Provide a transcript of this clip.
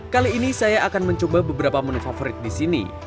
kali ini saya akan mencoba beberapa menu favorit di sini